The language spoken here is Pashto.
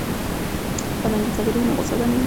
که میندې صابرې وي نو غوسه به نه وي.